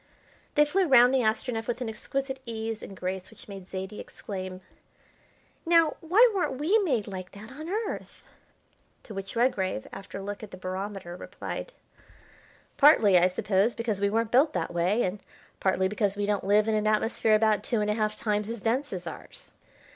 They flew round the Astronef with an exquisite ease and grace which made Zaidie exclaim: "Now, why weren't we made like that on Earth?" To which Redgrave, after a look at the barometer, replied: "Partly, I suppose, because we weren't built that way, and partly because we don't live in an atmosphere about two and a half times as dense as ours."